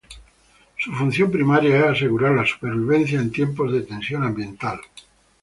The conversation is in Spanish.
Su función primaria es asegurar la supervivencia en tiempos de tensión ambiental.